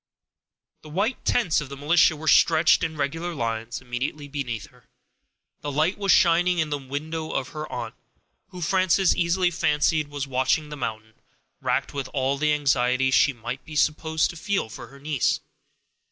The white tents of the militia were stretched in regular lines immediately beneath her. The light was shining in the window of her aunt, who, Frances easily fancied, was watching the mountain, racked with all the anxiety she might be supposed to feel for her niece.